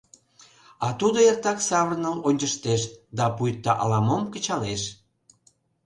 — А тудо эртак савырныл ончыштеш да пуйто ала-мом кычалеш.